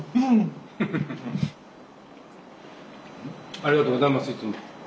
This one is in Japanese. ありがとうございますいつも。